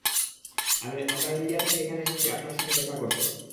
আমরা ইন্ডিয়া থেকে এখানে আপনার সাথে দেখা করতে এসেছি।